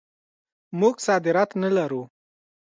موږ صادرات نه لرو.